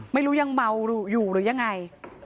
ไม่รู้ยังเมาอยู่หรือยังไง